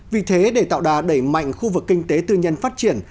vì thế để tạo đà đẩy mạnh khu vực kinh tế tư nhân phát triển